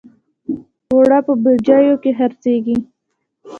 اوړه په بوجیو کې خرڅېږي